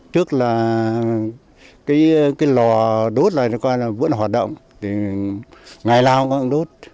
trước là cái lò đốt này vẫn hoạt động ngày nào cũng đốt